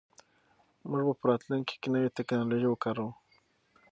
موږ به په راتلونکي کې نوې ټیکنالوژي وکاروو.